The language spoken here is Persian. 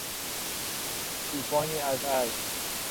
توفانی از اشک